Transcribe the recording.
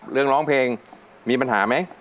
ร้องเพลงมีปัญหาไหม